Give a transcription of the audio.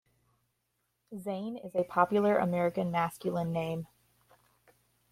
Zane is a popular American masculine name.